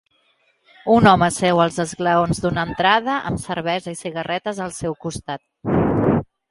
Un home seu als esglaons d'una entrada amb cervesa i cigarretes al seu costat.